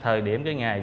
thời điểm cái ngày